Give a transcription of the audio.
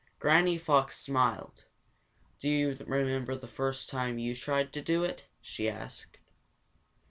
Granny Fox smiled. "Do you remember the first time you tried to do it?" she asked.